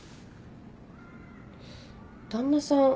旦那さん